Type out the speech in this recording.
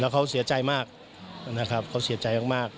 เขาเสียใจมากนะครับเขาเสียใจมาก